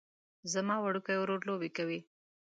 زما وړوکی ورور لوبې کوي